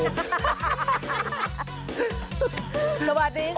สวัสดีค่ะ